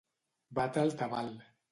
Batre el tabal.